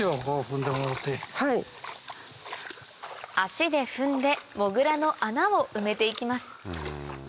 足で踏んでモグラの穴を埋めて行きます